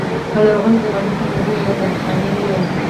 په لرغونې زمانه کې منظمې بندیخانې نه وې.